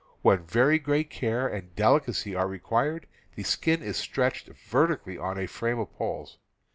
When very great care and delicacy are required the skin is stretched vertically on a frame of poles.